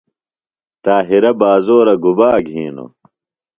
طاہرہ بازورہ گُبا گِھینوۡ؟